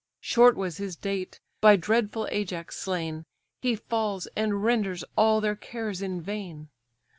Short was his date! by dreadful Ajax slain, He falls, and renders all their cares in vain!